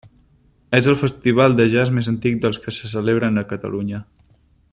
És el festival de jazz més antic dels que se celebren a Catalunya.